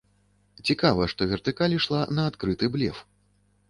Цікава, што вертыкаль ішла на адкрыты блеф.